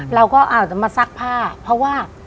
เราก็อาจจะมาซักผ้าเพราะว่า